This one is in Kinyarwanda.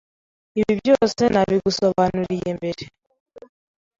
Ibi byose nabigusobanuriye mbere.